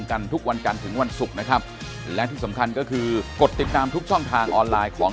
คุณชวนก็เป็นเลย